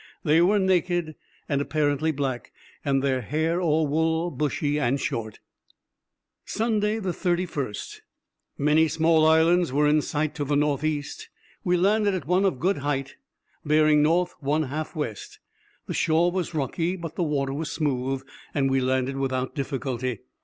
They were naked, and apparently black, and their hair or wool bushy and short. Sunday, 31st.—Many small islands were in sight to the northeast. We landed at one of a good height, bearing north one half west. The shore was rocky, but the water was smooth, and we landed without difficulty.